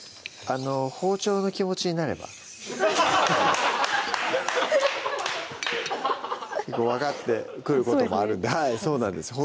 あの包丁の気持ちになれば分かってくることもあるんでそうですね